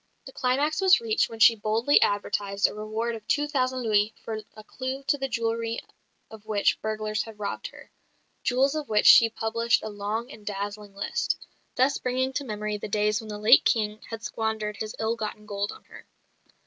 The climax was reached when she boldly advertised a reward of two thousand louis for a clue to the jewellery of which burglars had robbed her jewels of which she published a long and dazzling list, thus bringing to memory the days when the late King had squandered his ill gotten gold on her.